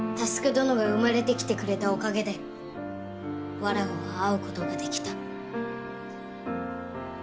どのが生まれてきてくれたおかげでわらわは会う事ができた。